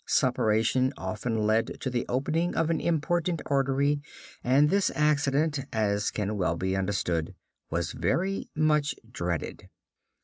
Suppuration often led to the opening of an important artery, and this accident, as can well be understood, was very much dreaded.